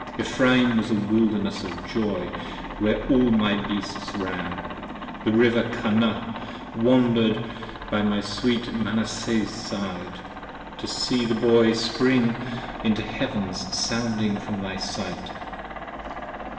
Ephraim was a wilderness of joy where all my wild beasts ran, The River Kanah wander'd by my sweet Manasseh's side, To see the boy spring into heavens sounding from my sight!